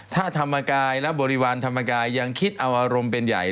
ถ้าธรรมกายและบริวารธรรมกายยังคิดเอาอารมณ์เป็นใหญ่